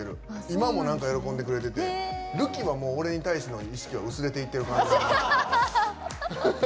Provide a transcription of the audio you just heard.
今も喜んでくれてて瑠姫は俺に対しての意識は薄れていってる感じ。